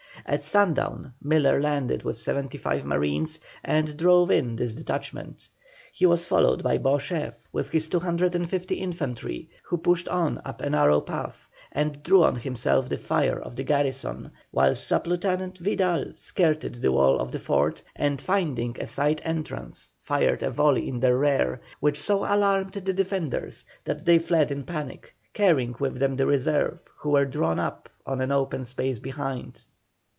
At sundown Miller landed with 75 marines and drove in this detachment. He was followed by Beauchef with his 250 infantry, who pushed on up a narrow path and drew on himself the fire of the garrison, while Sub Lieutenant Vidal skirted the wall of the fort, and finding a side entrance fired a volley in their rear, which so alarmed the defenders that they fled in panic, carrying with them the reserve who were drawn up on an open space behind.